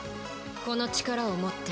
この力をもって。